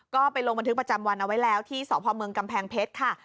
ก็ไปลงบันทึกประจำวันเอาไว้แล้วที่สพเมืองกำแพงเพชรค่ะ